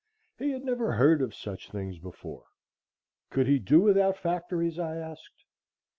He had never heard of such things before. Could he do without factories? I asked.